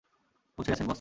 পৌঁছে গেছেন, বস।